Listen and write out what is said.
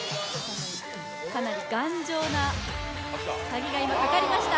かなり頑丈な鍵が今かかりました